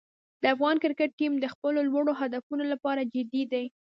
د افغان کرکټ ټیم د خپلو لوړو هدفونو لپاره جدي دی.